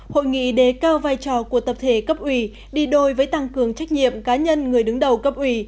hội nghị đề cao vai trò của tập thể cấp ủy đi đôi với tăng cường trách nhiệm cá nhân người đứng đầu cấp ủy